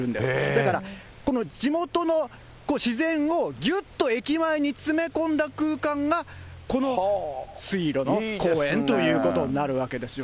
だからこの地元の自然を、ぎゅっと駅前に詰め込んだ空間が、この水路の公園ということになるわけですよ。